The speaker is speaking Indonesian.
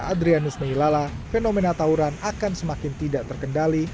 adrianus meilala fenomena tauran akan semakin tidak terkendali